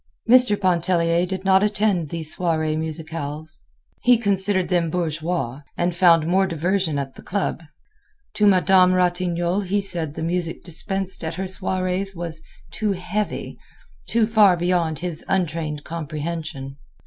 Mr. Pontellier did not attend these soirées musicales. He considered them bourgeois, and found more diversion at the club. To Madame Ratignolle he said the music dispensed at her soirées was too "heavy," too far beyond his untrained comprehension.